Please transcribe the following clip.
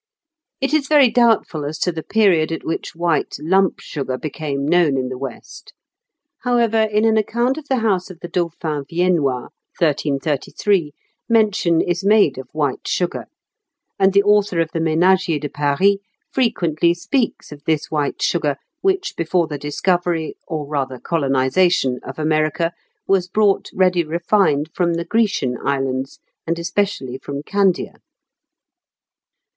It is very doubtful as to the period at which white lump sugar became known in the West. However, in an account of the house of the Dauphin Viennois (1333) mention is made of "white sugar;" and the author of the "Ménagier de Paris" frequently speaks of this white sugar, which, before the discovery, or rather colonisation, of America, was brought, ready refined, from the Grecian islands, and especially from Candia.